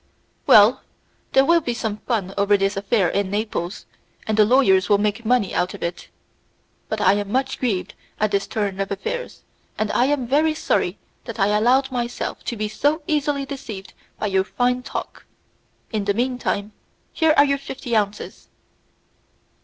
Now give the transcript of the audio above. Well, there will be some fun over this affair in Naples, and the lawyers will make money out of it. But I am much grieved at this turn of affairs, and I am very sorry that I allowed myself to be so easily deceived by your fine talk. In the mean time, here are your fifty ounces."